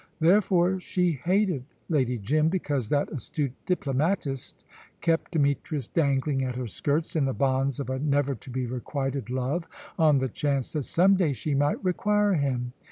Therefore she hated Lady Jim, because that astute diplomatist kept Demetrius dangling at her skirts in the bonds of a never to be requited love, on the chance that some day she might require him.